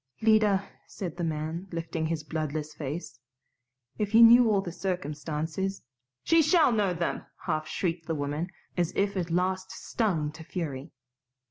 "Lida," said the man, lifting his bloodless face, "if you knew all the circumstances " "She shall know them!" half shrieked the woman, as if at last stung to fury.